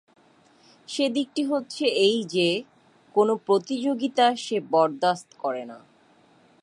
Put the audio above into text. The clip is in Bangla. সে দিকটি হচ্ছে এই যে, কোন প্রতিযোগিতা সে বরদাস্ত করে না।